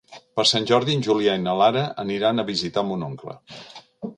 Per Sant Jordi en Julià i na Lara aniran a visitar mon oncle.